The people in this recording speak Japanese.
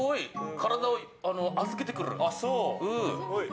体を預けてくる。